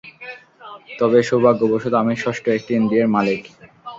তবে সৌভাগ্যবশত আমি ষষ্ঠ একটি ইন্দ্রিয়ের মালিক।